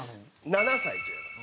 ７歳違います。